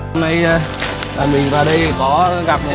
hôm nay mình vào đây có gặp